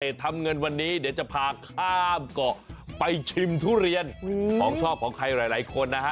ทำเงินวันนี้เดี๋ยวจะพาข้ามเกาะไปชิมทุเรียนของชอบของใครหลายคนนะฮะ